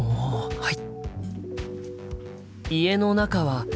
はい！